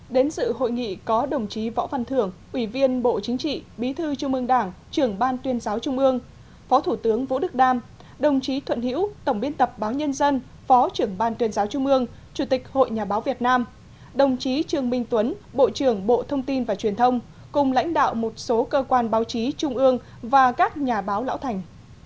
đến sự hội nghị có đồng chí võ văn thưởng ủy viên bộ chính trị bí thư trung ương đảng trưởng ban tuyên giáo trung ương phó thủ tướng vũ đức đam đồng chí thuận hiễu tổng biên tập ban nhân dân phó trưởng ban tuyên giáo trung ương chủ tịch hội nhà báo việt nam đồng chí trương minh tuấn bộ trưởng bộ thông tin và truyền thông cùng lãnh đạo một số cơ quan báo chí trung ương và các nhà báo lão thành